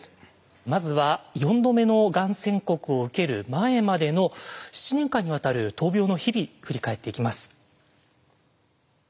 まずは４度目のがん宣告を受ける前までの７年間にわたる闘病の日々振り返っていきます。